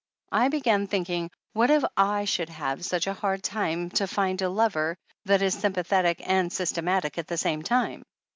I began thinking: What if / should have such a hard time to find a lover that is sympa thetic and systematic at the same time?